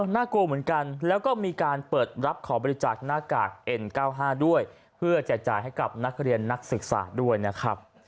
น่ากลัวเหมือนกันแล้วก็มีการเปิดรับขอบริจาคหน้ากากเอ็น๙๕ด้วยเพื่อแจกจ่ายให้กับนักเรียนนักศึกษาด้วยนะครับ